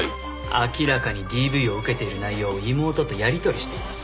明らかにＤＶを受けている内容を妹とやり取りしています。